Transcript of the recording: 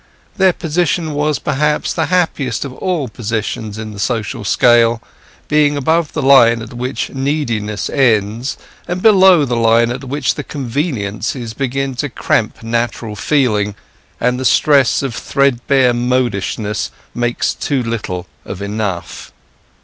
Their position was perhaps the happiest of all positions in the social scale, being above the line at which neediness ends, and below the line at which the convenances begin to cramp natural feelings, and the stress of threadbare modishness makes too little of enough.